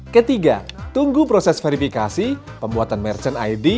ketiga tunggu proses verifikasi pembuatan merchant id